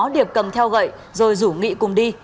điệp cầm theo gậy rồi rủ nghị cùng đi